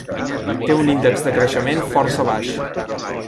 Té un índex de creixement força baix.